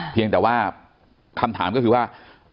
เพียงแต่ว่าคำถามก็คือว่า